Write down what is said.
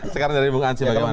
sekarang dari bung ansi bagaimana